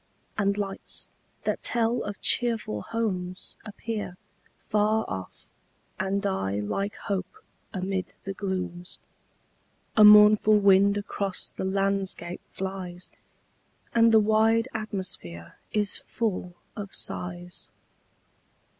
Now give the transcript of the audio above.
And lights, that tell of cheerful homes, appear Far off, and die like hope amid the glooms. A mournful wind across the landscape flies, And the wide atmosphere is full of sighs.